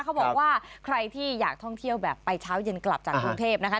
เขาบอกว่าใครที่อยากท่องเที่ยวแบบไปเช้าเย็นกลับจากกรุงเทพนะคะ